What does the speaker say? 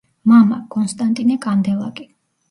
მამა: კონსტანტინე კანდელაკი.